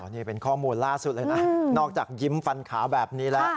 นี่เป็นข้อมูลล่าสุดเลยนะนอกจากยิ้มฟันขาวแบบนี้แล้ว